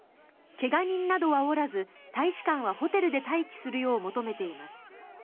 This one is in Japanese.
怪我人などはおらず大使館はホテルで待機するよう求めています。